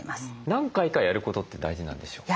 何回かやることって大事なんでしょうか？